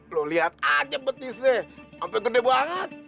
lo lihat aja petisnya sampe gede banget